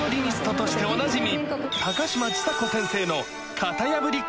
としておなじみ